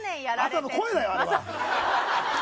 朝の声だよ、あれは！